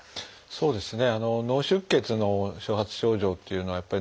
そうですね